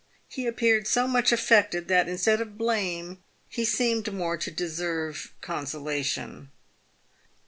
He appeared so much affected that instead of blame he seemed more to deserve con solation.